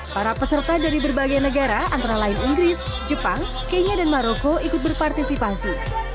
para peserta dari berbagai negara antara lain inggris jepang kenya dan maroko ikut berpartisipasi